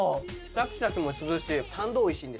シャキシャキもするし三度おいしい。